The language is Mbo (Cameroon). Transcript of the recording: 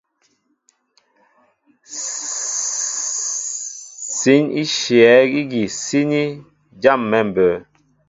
Sǐn í shyɛ̌ ígi síní jâm̀ɛ̌ mbə̌.